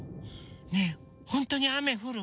ねえほんとにあめふる？